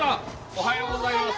おはようございます。